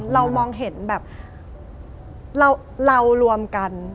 เรามองเห็นแบบเรารวมกัน